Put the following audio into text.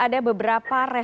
pada pemberian kemarin